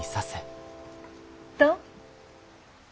どう？